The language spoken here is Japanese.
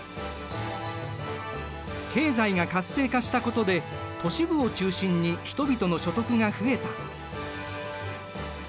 経済が活性化したことで都市部を中心に人々の所得が増えた。